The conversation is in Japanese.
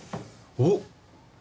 おっ！